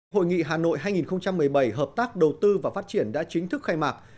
hội nghị hà nội hai nghìn một mươi bảy hợp tác đầu tư và phát triển đã chính thức khai mạc